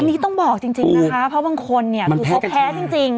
อันนี้ต้องบอกจริงนะคะเพราะบางคนเนี่ยคือเขาแท้จริง